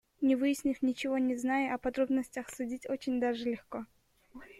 Не выяснив ничего, не зная о подробностях судить очень даже легко.